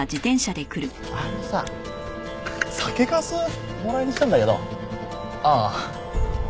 あのさ酒粕をもらいに来たんだけど。ああ。